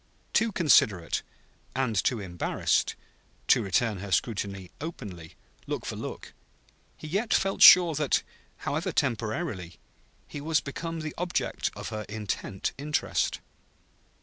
Too considerate, and too embarrassed, to return her scrutiny openly, look for look, he yet felt sure that, however temporarily, he was become the object of her intent interest.